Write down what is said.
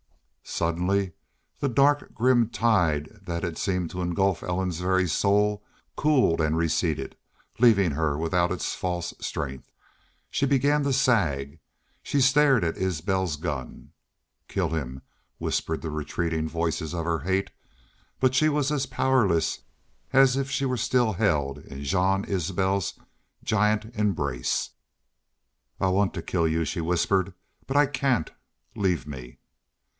Suddenly the dark grim tide that had seemed to engulf Ellen's very soul cooled and receded, leaving her without its false strength. She began to sag. She stared at Isbel's gun. "Kill him," whispered the retreating voices of her hate. But she was as powerless as if she were still held in Jean Isbel's giant embrace. "I I want to kill y'u," she whispered, "but I cain't.... Leave me."